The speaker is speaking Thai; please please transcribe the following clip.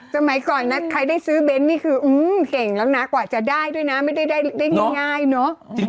สมัยก่อนนะใครได้ซื้อเบนท์นี่คือเก่งแล้วนะกว่าจะได้ด้วยนะไม่ได้ได้ง่ายเนอะ